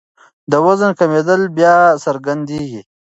د وزن کمېدل بیا څرګندېږي.